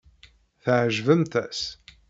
Tɛejbemt-as!